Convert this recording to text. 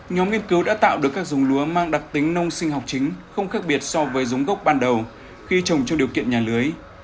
nhóm nghiên cứu đã tạo được các dống lúa mang đặc tính nông sinh học chính không khác biệt so với dống gốc ban đầu khi trồng trong điều kiện nhà lưới